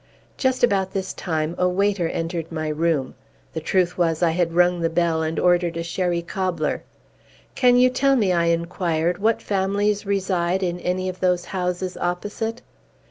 Just about this time a waiter entered my room. The truth was, I had rung the bell and ordered a sherry cobbler. "Can you tell me," I inquired, "what families reside in any of those houses opposite?"